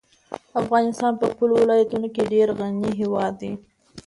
افغانستان په خپلو ولایتونو ډېر غني هېواد دی.